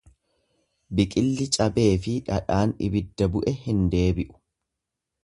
Biqilli cabeefi dhadhaan ibidda bu'e hin debi'u.